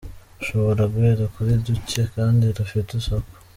Ushobora guhera kuri duke kandi rufite isoko.